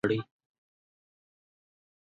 له لوري د ښاري طرحو او پلانونو د شریکولو لړۍ